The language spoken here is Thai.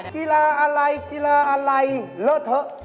กีฬาอะไรเล่าเถอะ